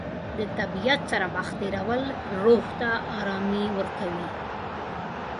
د طبیعت سره وخت تېرول روح ته ارامي ورکوي.